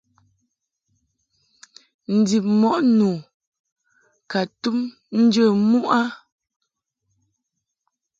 Ndib mɔʼ nu ka tum njə muʼ a.